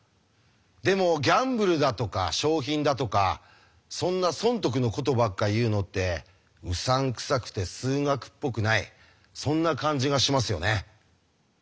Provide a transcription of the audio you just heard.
でもギャンブルだとか賞品だとかそんな損得のことばっか言うのってうさんくさくて数学っぽくないそんな感じがしますよね。